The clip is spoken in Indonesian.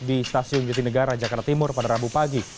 di stasiun jatinegara jakarta timur pada rabu pagi